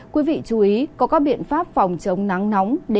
quý vị chú ý có các biện pháp phòng chống nắng nóng để đảm bảo sức khỏe